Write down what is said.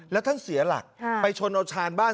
แล้วท่านเสียหลักไปชนเอาชานบ้าน